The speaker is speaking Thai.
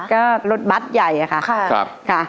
ก็รถบัตรใหญ่ค่ะ